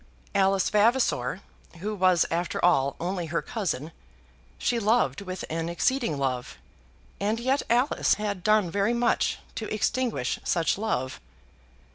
Alice Vavasor, who was after all only her cousin, she loved with an exceeding love, and yet Alice had done very much to extinguish such love.